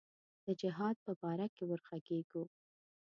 د جهاد په باره کې وږغیږو.